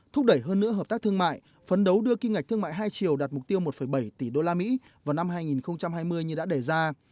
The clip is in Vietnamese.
thương mại phấn đấu đưa kinh ngạch thương mại hai triệu đạt mục tiêu một bảy tỷ usd vào năm hai nghìn hai mươi như đã đề ra